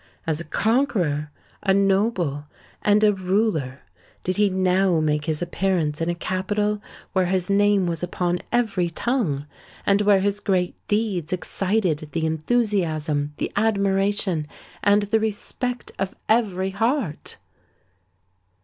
As a conqueror—a noble—and a ruler did he now make his appearance in a capital where his name was upon every tongue, and where his great deeds excited the enthusiasm, the admiration, and the respect of every heart.